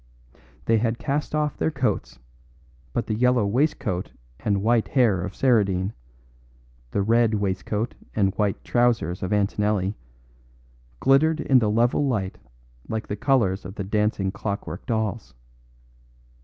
They had cast off their coats, but the yellow waistcoat and white hair of Saradine, the red waistcoat and white trousers of Antonelli, glittered in the level light like the colours of the dancing clockwork dolls.